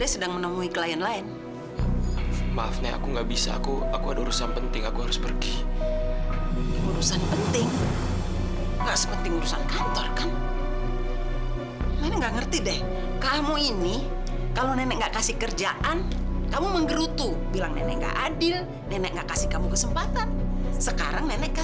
sampai jumpa di video selanjutnya